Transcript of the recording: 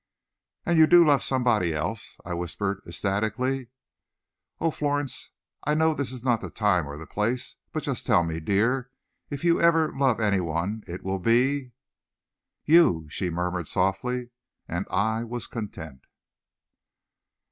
"And you do love somebody else?" I whispered ecstatically. "Oh, Florence! I know this is not the time or the place, but just tell me, dear, if you ever love any one, it will be " "You" she murmured softly, and I was content.